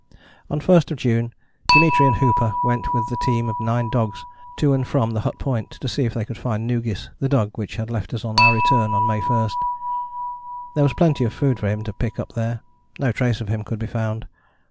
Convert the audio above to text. On June 1 Dimitri and Hooper went with a team of nine dogs to and from Hut Point, to see if they could find Noogis, the dog which had left us on our return on May 1. There was plenty of food for him to pick up there. No trace of him could be found.